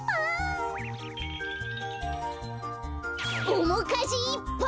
おもかじいっぱい！